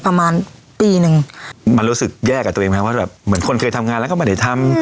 ประมาณปีนึงมันรู้สึกแยกกับตัวเองไหมว่าแบบเหมือนคนเคยทำงานแล้วก็ไม่ได้ทำ